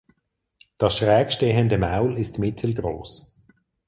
Das schräg stehende Maul ist mittelgroß.